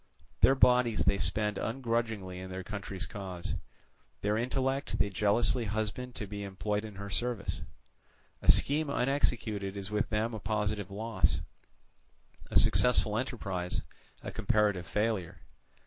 Their bodies they spend ungrudgingly in their country's cause; their intellect they jealously husband to be employed in her service. A scheme unexecuted is with them a positive loss, a successful enterprise a comparative failure.